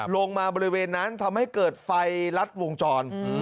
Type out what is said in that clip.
บริเวณนั้นทำให้เกิดไฟลัดวงจร